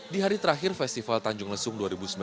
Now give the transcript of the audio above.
di hari terakhir festival tanjung lesung dua ribu sembilan belas